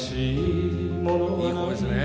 いい声ですね。